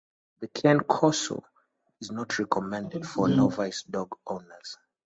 The Cane Corso is not recommended for novice dog owners.